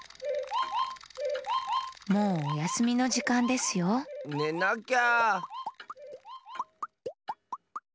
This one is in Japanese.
もうおやすみのじかんですよねなきゃ。